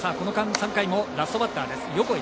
３回はラストバッター、横井。